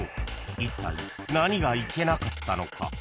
［いったい何がいけなかったのか？］